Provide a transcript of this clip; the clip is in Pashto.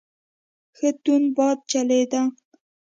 ښه تند باد چلیده.